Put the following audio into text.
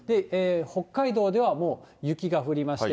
北海道ではもう雪が降りまして、